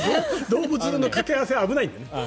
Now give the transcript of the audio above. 動物のかけ合わせは危ないんだね。